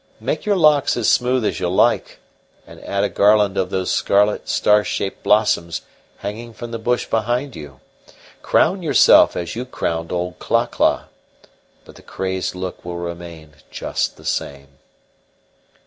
Make your locks as smooth as you like, and add a garland of those scarlet, star shaped blossoms hanging from the bush behind you crown yourself as you crowned old Cla cla but the crazed look will remain just the same."